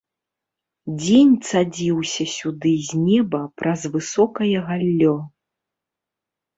Дзень цадзіўся сюды з неба праз высокае галлё.